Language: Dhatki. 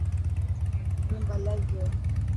هون ڀلي گيو.